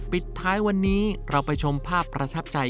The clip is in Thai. ปิดท้ายวันนี้เราไปชมภาพประทับใจ